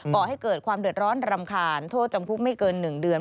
ก่อให้เกิดความเดือดร้อนรำคาญโทษจำคุกไม่เกิน๑เดือน